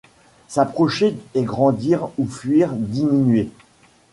S’approcher et grandir ou fuir diminuées